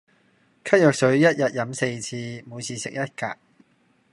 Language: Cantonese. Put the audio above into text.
咳藥水一日飲四次，每次食一格